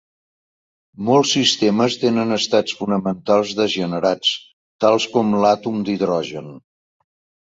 Molts sistemes tenen estats fonamentals degenerats, tals com l'àtom d'hidrogen.